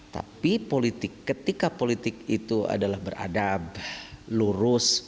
tapi politik ketika politik itu adalah beradab lurus